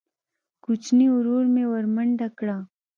کوچیني ورور مې ورمنډه کړه.